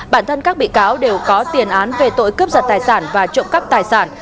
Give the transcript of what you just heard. bản thân các bị cáo đều có tiền án về tội cướp giật tài sản và trộm cắp tài sản